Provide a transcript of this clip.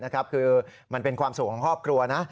คือมันเป็นความสุขของครอบครัวนะ